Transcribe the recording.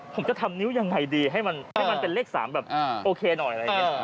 ผมจะทำนิ้วยังไงดีให้มันเป็นเลข๓แบบโอเคหน่อยอะไรอย่างนี้